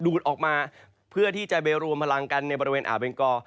ดูดออกมาเพื่อที่จะเบลวรวมพลังกันในบริเวณอเบนกอร์